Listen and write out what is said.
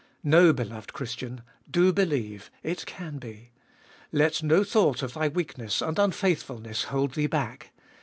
No, beloved Christian, do believe, it can be. Let no thought of thy weakness and unfaithfulness hold thee back.